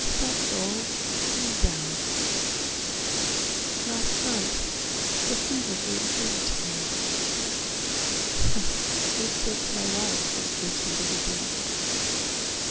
Sappho, lean down. Last night the fever gave a dream to me, It takes my life and gives a little dream.